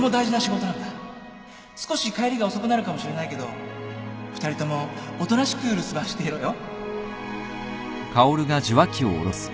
少し帰りが遅くなるかもしれないけど２人ともおとなしく留守番していろよ